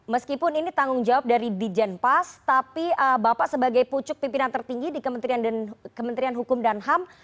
meskipun ini tanggung jawab dari di jenpas tapi bapak sebagai pucuk pimpinan tertinggi di kementerian hukum dan ham